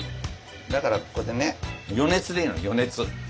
だからここでね余熱でいいの余熱。